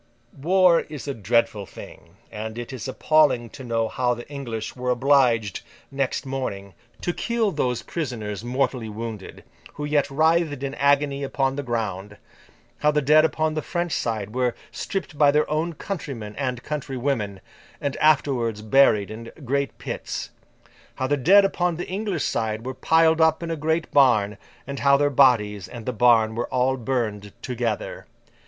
War is a dreadful thing; and it is appalling to know how the English were obliged, next morning, to kill those prisoners mortally wounded, who yet writhed in agony upon the ground; how the dead upon the French side were stripped by their own countrymen and countrywomen, and afterwards buried in great pits; how the dead upon the English side were piled up in a great barn, and how their bodies and the barn were all burned together.